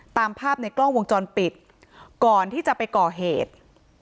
ตามภาพในกล้องวงจรปิดก่อนที่จะไปก่อเหตุ